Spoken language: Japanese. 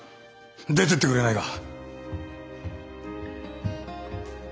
出てってくれないか。